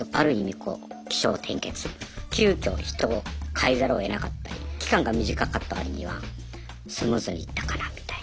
こう起承転結急きょ人をかえざるをえなかったり期間が短かった割にはスムーズにいったかなみたいな。